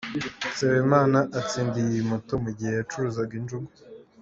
Nsabimana atsindiye iyi moto mu gihe yacuruzaga injugu.